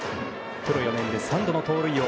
プロ４年で３度の盗塁王。